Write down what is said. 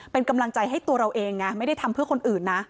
เป็นกำลังใจให้ตัวเราเองไงไม่ได้ทำเพื่อคนอื่นนะ